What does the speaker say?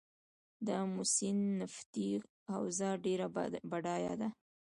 د امو سیند نفتي حوزه ډیره بډایه ده